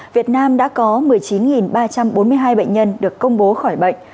việt nam đã có một mươi chín ba trăm bốn mươi hai bệnh nhân được công bố khỏi bệnh